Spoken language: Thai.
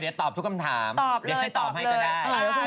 เดี๋ยวตอบทุกคำถามเดี๋ยวช่วยตอบให้ก็ได้